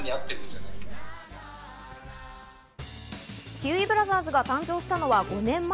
キウイブラザーズが誕生したのは５年前。